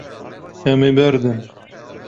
Em ê berdin.